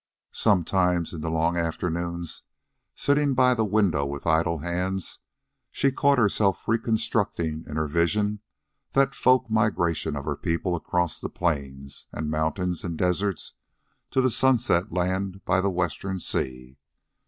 Sometimes, in the long afternoons, sitting by the window with idle hands, she caught herself reconstructing in her vision that folk migration of her people across the plains and mountains and deserts to the sunset land by the Western sea.